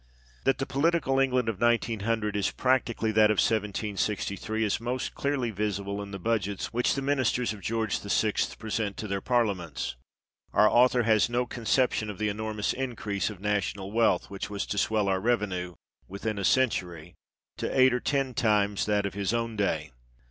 That the political England of 1900 is practically that of 1763, is most clearly visible in the budgets which the ministers of George VI. present to their Parliaments. Our author has no conception of the enormous increase of national wealth which was to swell our revenue, within a century, to eight or ten times that of his own day.